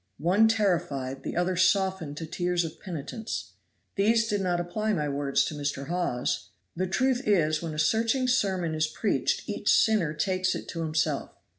One terrified, the other softened to tears of penitence. These did not apply my words to Mr. Hawes. The truth is when a searching sermon is preached each sinner takes it to himself.